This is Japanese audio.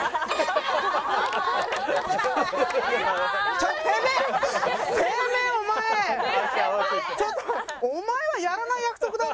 ちょっとお前はやらない約束だろ？